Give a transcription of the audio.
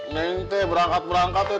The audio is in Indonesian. neng teh berangkat berangkat teh